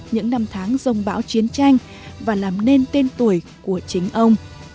những năm tháng rông bão chiến tranh và làm nên tên tuổi của chính ông